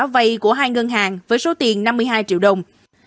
vay của hai ngân hàng với số tiền năm mươi hai triệu đồng